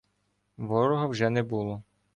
Ворога вже не було.